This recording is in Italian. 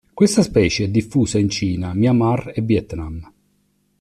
Questa specie è diffusa in Cina, Myanmar e Vietnam.